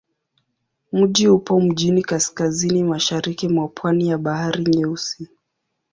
Mji upo mjini kaskazini-mashariki mwa pwani ya Bahari Nyeusi.